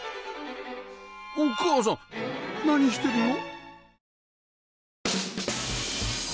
お母さん何してるの？